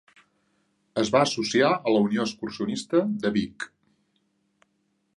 Es va associar a la Unió Excursionista de Vic.